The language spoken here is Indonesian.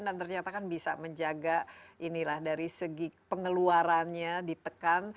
dan ternyata kan bisa menjaga inilah dari segi pengeluarannya ditekan